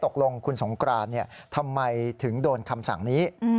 ตกลงคุณสงกรานทำไมถึงโดนคำสั่งนี้